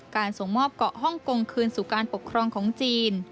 ส่งมอบเกาะฮ่องกงคืนสู่การปกครองของจีน